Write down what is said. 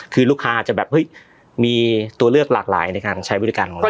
คือลูกค้าจะแบบมีตัวเลือกหลากหลายในการใช้วิธีการของเรา